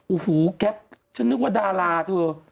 อู้หูแก๊บฉันนึกว่าดาราเถอะ